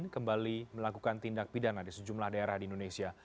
kembali melakukan tindak pidana di sejumlah daerah di indonesia